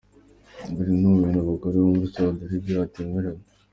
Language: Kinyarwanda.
Dore bimwe mu bintu abagore bo muri Saudi Arabia batemerewe :.